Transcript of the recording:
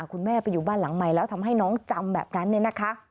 คุณแม่ไปอยู่บ้านหลังใหม่แล้วทำให้น้องจำแบบนั้นเนี่ยนะคะ